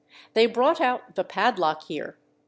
They brought out "The Padlock" here.